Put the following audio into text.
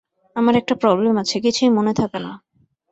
আমার একটা প্রবলেম আছে, কিছুই মনে থাকে না।